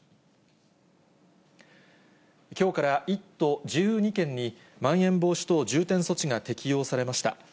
きょうから１都１２県にまん延防止等重点措置が適用されました。